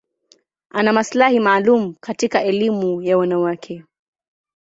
Ana maslahi maalum katika elimu ya wanawake.